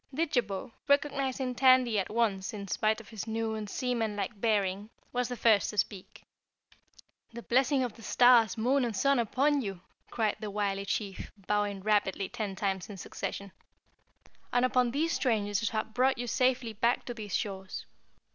Didjabo, recognizing Tandy at once in spite of his new and seaman like bearing, was the first to speak. "The blessing of the stars, moon and sun upon you!" cried the wily chief, bowing rapidly ten times in succession, "And upon these strangers who have brought you safely back to these shores!